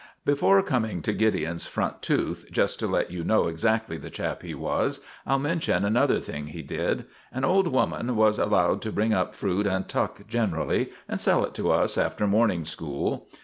Before coming to Gideon's front tooth, just to let you know exactly the chap he was, I'll mention another thing he did. An old woman was allowed to bring up fruit and tuck generally, and sell it to us after morning school.